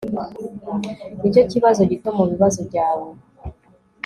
nicyo kibazo gito mubibazo byawe